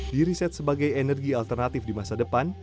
diriset sebagai energi alternatif di masa depan